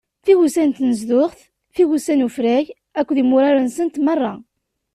Tigusa n tnezduɣt, tigusa n ufrag akked imurar-nsent meṛṛa.